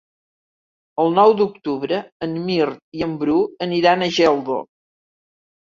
El nou d'octubre en Mirt i en Bru aniran a Geldo.